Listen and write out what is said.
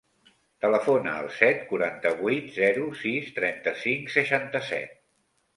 Telefona al set, quaranta-vuit, zero, sis, trenta-cinc, seixanta-set.